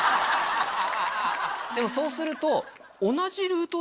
でもそうすると。